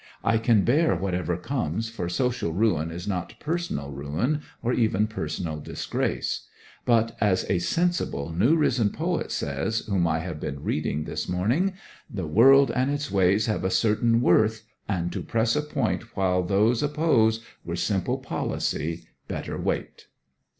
I can bear whatever comes, for social ruin is not personal ruin or even personal disgrace. But as a sensible, new risen poet says, whom I have been reading this morning: The world and its ways have a certain worth: And to press a point while these oppose Were simple policy. Better wait.